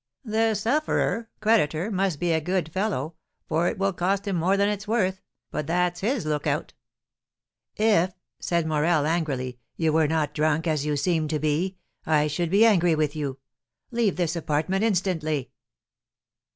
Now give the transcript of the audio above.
"The sufferer (creditor) must be a good fellow, for it will cost him more than it's worth; but that's his lookout." "If," said Morel, angrily, "you were not drunk, as you seem to be, I should be angry with you. Leave this apartment instantly!"